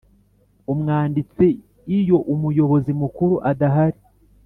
umwanditsi iyo Umuyobozi Mukuru adahari